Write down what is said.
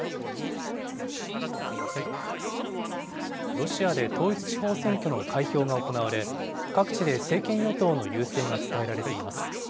ロシアで統一地方選挙の開票が行われ、各地で政権与党の優勢が伝えられています。